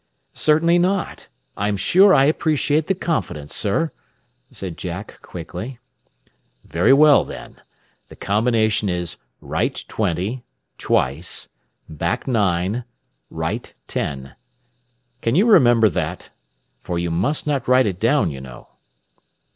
"Certainly not. I am sure I appreciate the confidence, sir," said Jack quickly. "Very well, then. The combination is 'Right twenty, twice; back nine; right ten.' Can you remember that? For you must not write it down, you know."